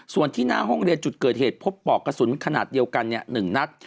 ส่วนที่หน้าห้องเรียนจุดเกิดเหตุพบปอกกระสุนขนาดเดียวกัน๑นัด